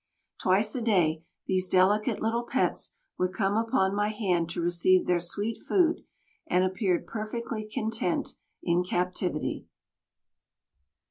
Twice a day these delicate little pets would come upon my hand to receive their sweet food, and appeared perfectly content in captivity.